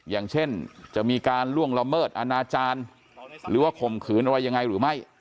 อย่างเช่นจะมีการล่วงละเมิดอนาจารย์หรือว่าข่มขืนอะไรยังไงหรือไม่